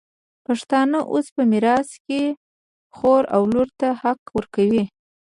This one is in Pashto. پښتانه اوس په میراث کي خور او لور ته حق ورکوي.